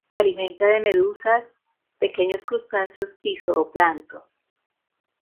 Se alimentan de algas, medusas, pequeños crustáceos y zooplancton.